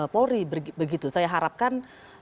polri begitu saya harapkan